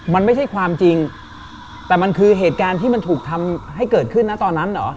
มันไม่ใช่ความจริงแต่มันคือเหตุการณ์ที่มันถูกทำให้เกิดขึ้นนะตอนนั้นเหรอ